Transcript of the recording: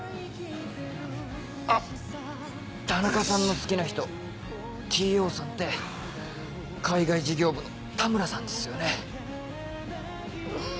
あっ田中さんの好きな人Ｔ・Ｏさんって海外事業部の田村さんですよね？